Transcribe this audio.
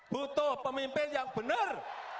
butuh pemimpin yang benar